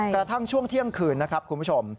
กระทั่งช่วงเที่ยงคืนนะครับคุณผู้ชม